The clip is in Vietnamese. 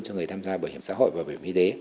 cho người tham gia bảo hiểm xã hội và bảo hiểm y tế